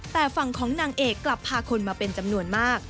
แต่ฝั่งของนางเอกกลับพาคนมาเป็นจำนวนมาก